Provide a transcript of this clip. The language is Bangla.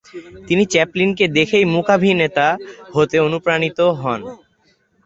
তিনি চ্যাপলিনকে দেখেই মুকাভিনেতা হতে অনুপ্রাণিত হন।